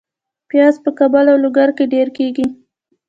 پیاز په کابل او لوګر کې ډیر کیږي